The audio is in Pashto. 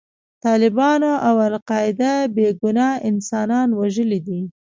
طالبانو او القاعده بې ګناه انسانان وژلي دي.